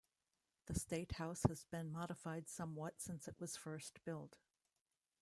The State House has been modified somewhat since it was first built.